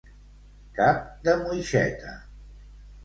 Cap de moixeta.